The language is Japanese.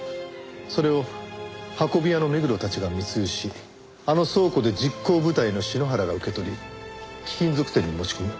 それを運び屋の目黒たちが密輸しあの倉庫で実行部隊の篠原が受け取り貴金属店に持ち込む。